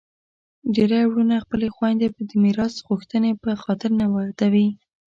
ډیری وروڼه خپلي خویندي د میراث غوښتني په خاطر نه ودوي.